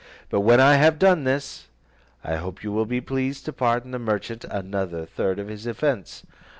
But when I have done this, I hope you will be pleased to pardon the merchant another third of his offence."